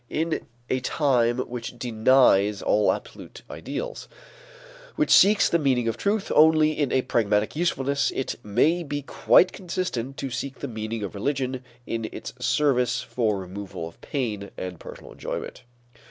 In a time which denies all absolute ideals, which seeks the meaning of truth only in a pragmatic usefulness, it may be quite consistent to seek the meaning of religion in its service for removal of pain, and personal enjoyment.